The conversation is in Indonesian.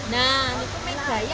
nah ini itu minyak daya